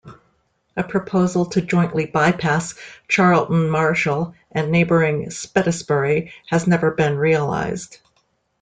A proposal to jointly bypass Charlton Marshall and neighbouring Spetisbury has never been realised.